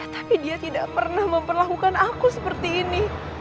tapi dia tidak pernah memperlakukan aku seperti ini